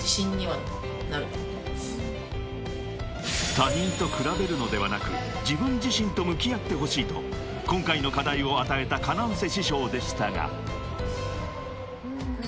［他人と比べるのではなく自分自身と向き合ってほしいと今回の課題を与えたＫａｎａｎｃＥ師匠でしたが］